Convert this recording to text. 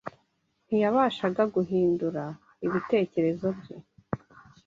Ntiyabashaga guhindura ibitekerezo bye